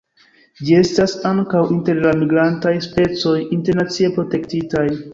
Ĝi estas ankaŭ inter la migrantaj specioj internacie protektitaj.